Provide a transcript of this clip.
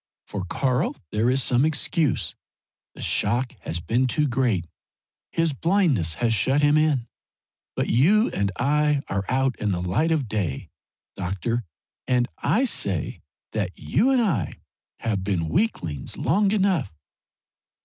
For Karl there is some excuse; the shock has been too great his blindness has shut him in. But you and I are out in the light of day, doctor, and I say that you and I have been weaklings long enough."